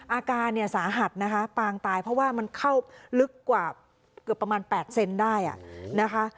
อาการเนี่ยสาหัสนะคะปางตายเพราะว่ามันเข้าลึกกว่าเกือบประมาณ๘เซนได้นะคะ